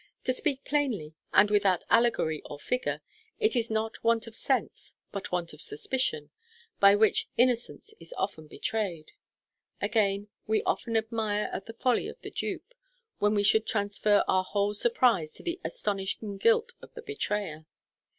To speak plainly and without allegory or figure, it is not want of sense, but want of suspicion, by which innocence is often betrayed. Again, we often admire at the folly of the dupe, when we should transfer our whole surprize to the astonishing guilt of the betrayer.